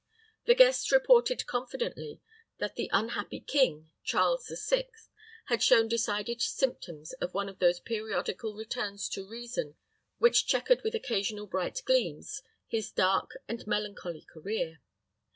The guests reported confidently that the unhappy king, Charles the Sixth, had shown decided symptoms of one of those periodical returns to reason which checkered with occasional bright gleams his dark and melancholy career.